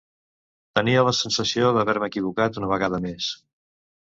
Tenia la sensació d'haver-me equivocat una vegada més.